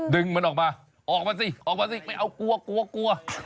ดึงมันออกมาออกมาสิไม่เอากลัวก็กลัว